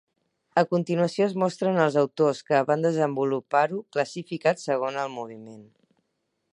A continuació es mostren els autors que van desenvolupar-ho classificats segons el moviment.